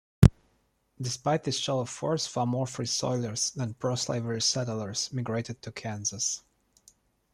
Despite this show of force, far more free-soilers than pro-slavery settlers migrated to Kansas.